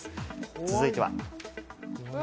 続いては。